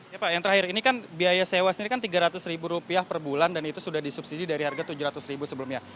ya pak yang terakhir ini kan biaya sewa sendiri kan rp tiga ratus ribu rupiah per bulan dan itu sudah disubsidi dari harga rp tujuh ratus ribu sebelumnya